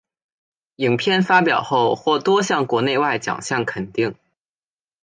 影片发表后获多项国内外奖项肯定。